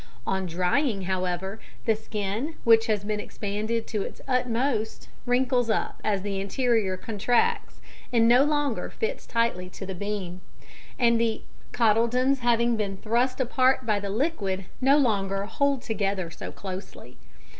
On drying, however, the skin, which has been expanded to its utmost, wrinkles up as the interior contracts and no longer fits tightly to the bean, and the cotyledons having been thrust apart by the liquid, no longer hold together so closely.